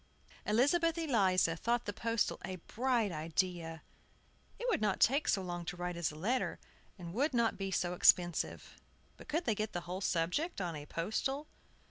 Elizabeth Eliza thought the postal a bright idea. It would not take so long to write as a letter, and would not be so expensive. But could they get the whole subject on a postal?